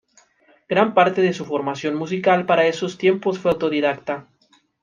Gran parte de su formación musical para esos tiempos fue autodidacta.